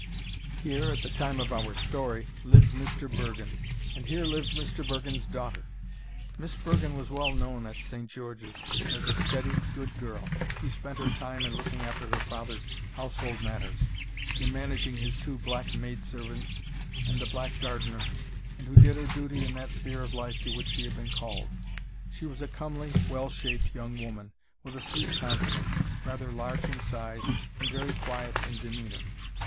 Here, at the time of our story, lived Mr. Bergen, and here lived Mr. Bergen's daughter. Miss Bergen was well known at St. George's as a steady, good girl, who spent her time in looking after her father's household matters, in managing his two black maid servants and the black gardener, and who did her duty in that sphere of life to which she had been called. She was a comely, well shaped young woman, with a sweet countenance, rather large in size, and very quiet in demeanour.